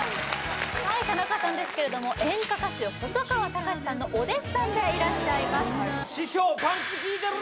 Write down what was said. はい田中さんですけれども演歌歌手細川たかしさんのお弟子さんでいらっしゃいます